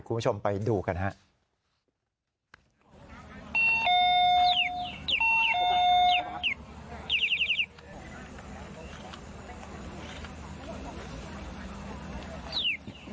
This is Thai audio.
คุณผู้ชมไปดูกันครับ